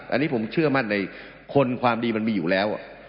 อันนี้ผมเชื่อมั่นในคนความดีมันมีอยู่แล้ว